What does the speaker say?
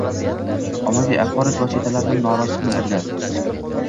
Ommaviy axborot vositalaridan norozilik bildirdi: